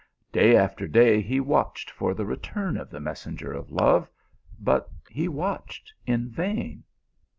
Day after day he watched for the return of the messenger of love ; but he watched in vain.